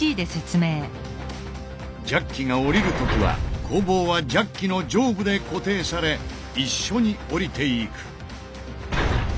ジャッキがおりる時は鋼棒はジャッキの上部で固定され一緒におりていく。